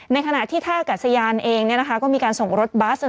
ในขณะที่ท่ากัดสยานเองก็มีการส่งรถบัส